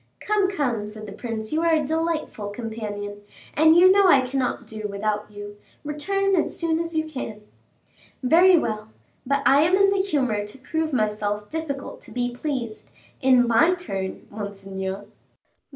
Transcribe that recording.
"Come, come," said the prince, "you are a delightful companion, and you know I cannot do without you. Return as soon as you can." "Very well; but I am in the humor to prove myself difficult to be pleased, in my turn, monseigneur."